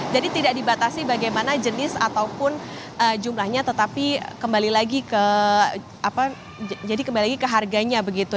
jadi tidak dibatasi bagaimana jenis ataupun jumlahnya tetapi kembali lagi ke harganya begitu